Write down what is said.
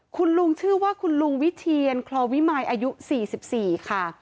คุณลุงชื่อว่าคุณลุงวิเทียนคลอวิมายอายุ๔๔ค่ะ